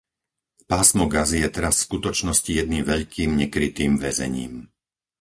Pásmo Gazy je teraz v skutočnosti jedným veľkým nekrytým väzením.